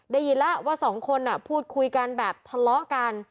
ได้ยินแล้วว่าสองคนพูดคุยกันแบบทะเลาะกัน